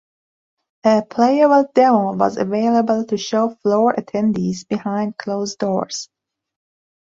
A playable demo was available to show floor attendees behind closed doors.